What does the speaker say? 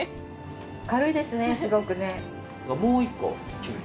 軽いですねすごくね。